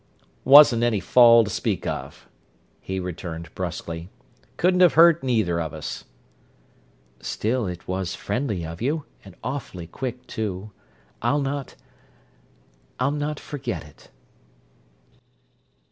"Wasn't any fall to speak of," he returned brusquely. "Couldn't have hurt either of us." "Still it was friendly of you—and awfully quick, too. I'll not—I'll not forget it!"